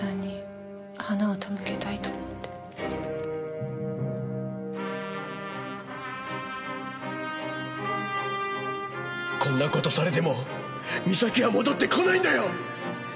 こんな事されても美咲は戻ってこないんだよ！